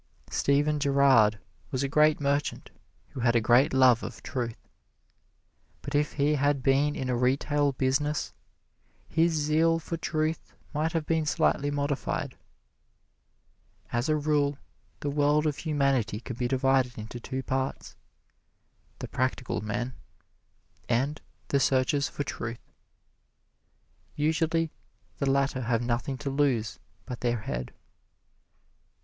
Stephen Girard was a great merchant who had a great love of truth; but if he had been in a retail business, his zeal for truth might have been slightly modified. As a rule, the world of humanity can be divided into two parts: the practical men and the searchers for truth. Usually the latter have nothing to lose but their head.